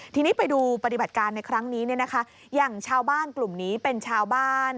ทีนี้ไปดูปฏิบัติการในครั้งนี้เนี่ยนะคะอย่างชาวบ้านกลุ่มนี้เป็นชาวบ้าน